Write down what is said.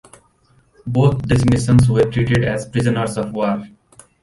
Both designations were treated as Prisoners of War.